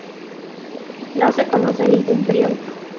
No se conoce ningún período.